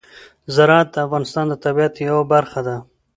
زراعت د افغانستان د طبیعت یوه برخه ده.